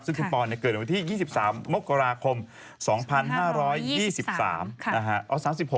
ซึ่งคุณปอนเกิดวันที่๒๓มกราคม๒๕๒๓นะฮะ